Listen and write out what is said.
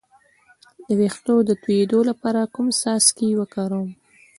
د ویښتو د تویدو لپاره کوم څاڅکي وکاروم؟